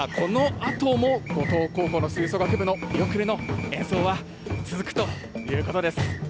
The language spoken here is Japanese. このあとも五島高校の吹奏楽部の見送りの演奏は続くということです。